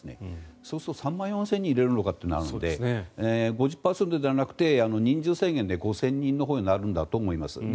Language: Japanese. そうすると、３万４０００人入れるのかとなるので５０％ではなくて人数制限で５０００人のほうになるんだと思います。